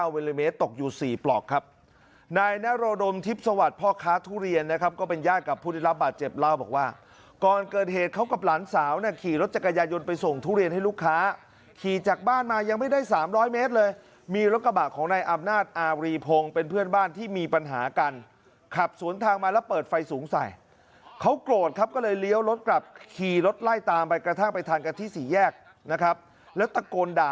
บอกครับในนโรดมทิพย์สวัสดิ์พ่อค้าทุเรียนนะครับก็เป็นญาติกับผู้ได้รับบาดเจ็บเล่าบอกว่าก่อนเกิดเหตุเขากับหลานสาวน่ะขี่รถจักรยายนไปส่งทุเรียนให้ลูกค้าขี่จากบ้านมายังไม่ได้๓๐๐เมตรเลยมีรถกระบะของในอำนาจอารีพงศ์เป็นเพื่อนบ้านที่มีปัญหากันขับสวนทางมาแล้วเปิดไฟสูงใสเขากรวดครั